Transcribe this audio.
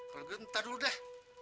kalau gitu ntar dulu deh